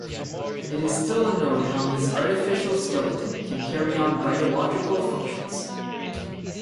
It is still unknown how his artificial skeleton can carry on biological functions.